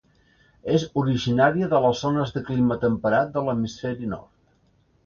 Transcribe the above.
És originària de les zones de clima temperat de l'hemisferi nord.